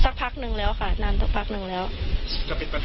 เพราะไม่เคยถามลูกสาวนะว่าไปทำธุรกิจแบบไหนอะไรยังไง